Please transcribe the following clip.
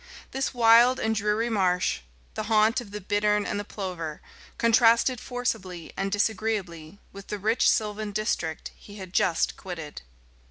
This wild and dreary marsh, the haunt of the bittern and the plover, contrasted forcibly and disagreeably with the rich sylvan district he had just quitted.